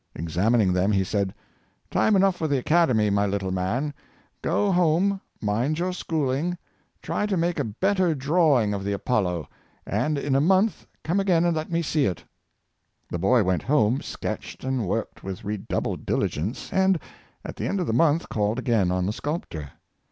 Examining them, he said, " Time enough for the Academy, my little man! go home — mind your schooling — try to make a better drawing of the Apollo — and in a month come again and let me see it." The boy went home — sketched and worked with redoubled diligence — and, at the end of the month, called again on the sculptor.